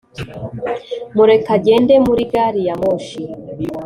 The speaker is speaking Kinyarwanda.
mureke agende muri gari ya moshi.